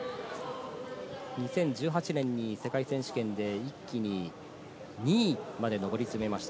２０１８年に世界選手権で一気に２位まで上り詰めました。